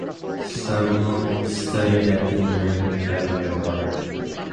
Sundblom studied at the American Academy of Art.